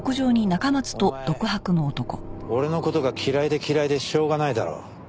お前俺の事が嫌いで嫌いでしょうがないだろ。